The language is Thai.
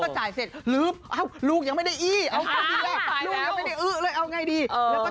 จะเอื้อตรงไหนดี